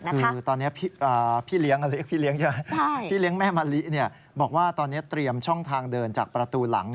คือตอนนี้พี่เลี้ยงแม่มะลิบอกว่าตอนนี้เตรียมช่องทางเดินจากประตูหลัง